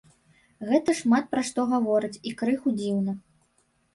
Гэта шмат пра што гаворыць і крыху дзіўна.